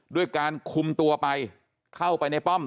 ด้วยการคุมตัวไปเข้าไปในป้อม